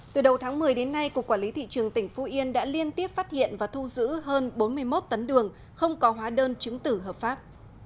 từ đầu tháng một mươi đến nay cục quản lý thị trường tỉnh phú yên đã liên tiếp phát hiện và thu giữ hơn bốn mươi một tấn đường không có hóa đơn chứng tử hợp pháp